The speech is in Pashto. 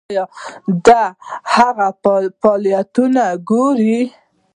ایا د هغوی فعالیتونه ګورئ؟